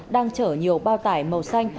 đang chở nhiều bao tải màu xanh